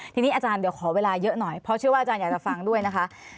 ทีนี้อาจารย์เดี๋ยวขอเวลาเยอะหน่อยเพราะเชื่อว่าอาจารย์อยากจะฟังด้วยนะคะ